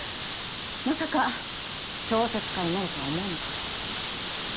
まさか小説家になるとは思わなかったけどね。